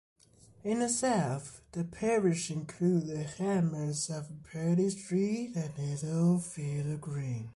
In the south, the parish includes the hamlets of Paley Street and Littlefield Green.